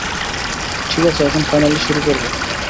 ঠিকাছে এখন ফাইনালি শুরু করবো।